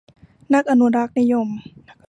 นักอนุรักษ์นิยม